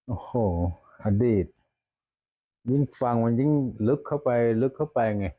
โอ้โหอดีตยิ่งฟังมันยิ่งลึกเข้าไปลึกเข้าไปไง